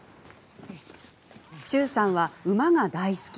忠さんは馬が大好き。